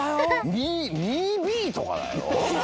２Ｂとかだよ。